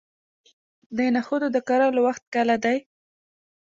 د نخودو د کرلو وخت کله دی؟